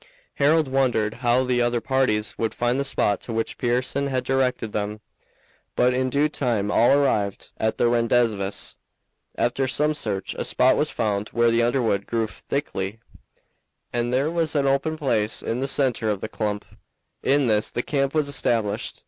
Harold wondered how the other parties would find the spot to which Pearson had directed them, but in due time all arrived at the rendezvous. After some search a spot was found where the underwood grew thickly, and there was an open place in the center of the clump. In this the camp was established.